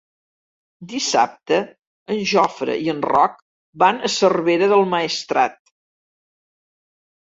Dissabte en Jofre i en Roc van a Cervera del Maestrat.